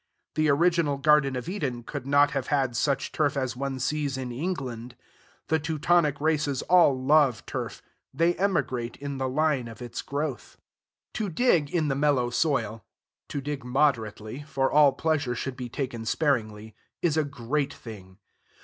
The original Garden of Eden could not have had such turf as one sees in England. The Teutonic races all love turf: they emigrate in the line of its growth. To dig in the mellow soil to dig moderately, for all pleasure should be taken sparingly is a great thing.